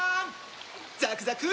ザクザク！